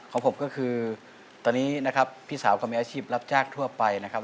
ของผมก็คือตอนนี้นะครับพี่สาวก็มีอาชีพรับจ้างทั่วไปนะครับ